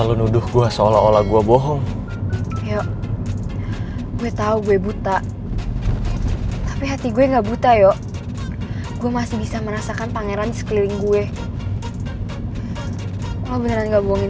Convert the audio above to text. lo beneran gak bohongin gue kan gio